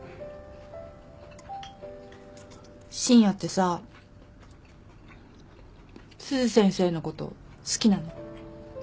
深夜ってさ鈴先生の事好きなの？